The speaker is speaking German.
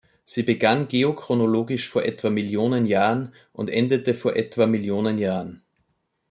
Sie begann geochronologisch vor etwa Millionen Jahren und endete vor etwa Millionen Jahren.